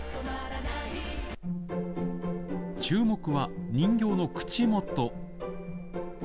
注目は人形の口元。